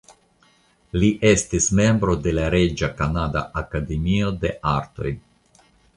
Li estis membro de la Reĝa Kanada Akademio de Artoj.